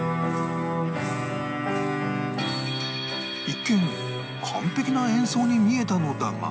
一見完璧な演奏に見えたのだが